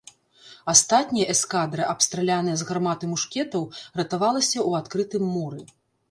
Астатняя эскадра, абстраляная з гармат і мушкетаў, ратавалася ў адкрытым моры.